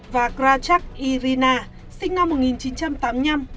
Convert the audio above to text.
và krachak irina sinh năm một nghìn chín trăm tám mươi năm